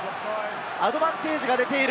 アドバンテージが出ている。